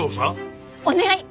お願い。